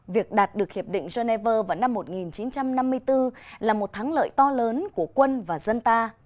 việc đạt được hiệp định geneva vào năm một nghìn chín trăm năm mươi bốn là một thắng lợi to lớn của quân và dân ta